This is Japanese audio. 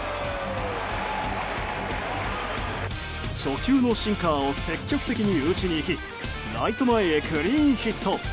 初球のシンカーを積極的に打ちにいきライト前へクリーンヒット。